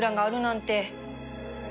ん？